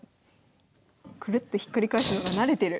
クルッとひっくり返すのが慣れてる。